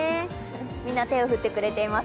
みんな手を振ってくれています。